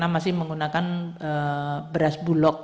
masih menggunakan beras bulog